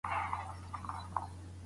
درمل به په کور دننه جوړ سي؟